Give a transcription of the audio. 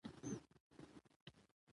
باسواده میندې ماشومانو ته د بریا راز ښيي.